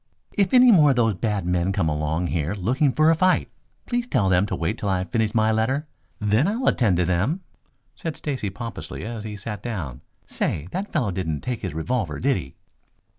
"If any more of those bad men come along here looking for a fight, please tell them to wait till I finish my letter, then I'll attend to them," said Stacy pompously as he sat down. "Say, that fellow didn't take his revolver, did he?"